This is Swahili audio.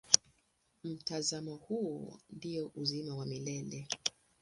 Mtazamo huo ndio uzima wa milele.